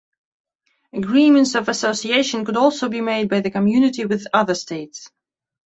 Agreements of Association could also be made by the Community with other states.